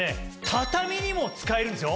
畳にも使えるんですよ。